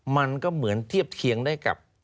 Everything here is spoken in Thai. มันก็เหมือนเทียบเคียงได้กับ